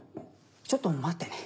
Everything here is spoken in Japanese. ちょっと待ってね。